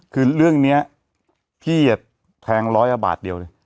คือเรื่องนี้พี่แทงร้อยกว่าบาทเดียวเลย